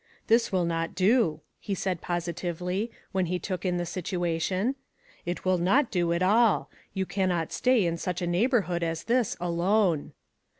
"This will not do," he said positively, when he took in the situation, "it will not do at all; you cannot stay in such a neigh borhood as this alone."